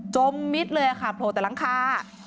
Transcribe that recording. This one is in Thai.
มมิดเลยค่ะโผล่แต่หลังคา